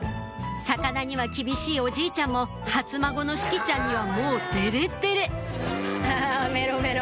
魚には厳しいおじいちゃんも初孫の志葵ちゃんにはもうデレッデレあメロメロ。